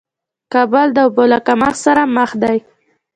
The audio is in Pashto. کابل د اوبو له کمښت سره مخ دې